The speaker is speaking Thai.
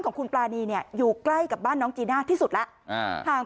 ของคุณปรานีเนี่ยอยู่ใกล้กับบ้านน้องจีน่าที่สุดแล้วห่าง